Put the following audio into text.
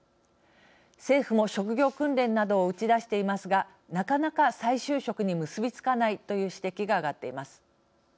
政府も職業訓練などを打ち出していますがなかなか再就職に結び付かないという指摘が上がっています。